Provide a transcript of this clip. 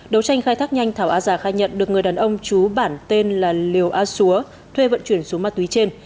đấu tranh khai thác nhanh thảo a già khai nhận được người đàn ông chú bản tên là liều a xúa thuê vận chuyển số ma túy trên